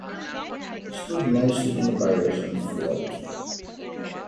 He stood nicely in the barriers and flew out.